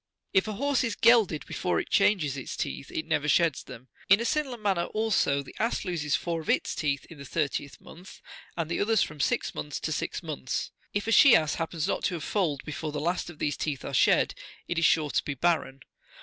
If a horse is gelded43 before it changes its teeth, it never sheds them. In a similar manner, also, the ass loses four of its teeth in the thirtieth month, and the others from six months to six months. If a she ass hap pens not to have foaled before the last of these teeth are shed, it is sure to be barren.